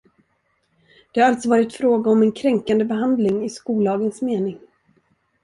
Det har alltså varit fråga om en kränkande behandling i skollagens mening.